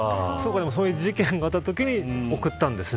そういう事件があったときに送ったんですね。